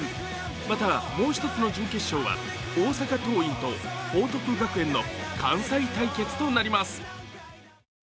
また、もう１つの準決勝は大阪桐蔭と報徳学園の関西対決となります。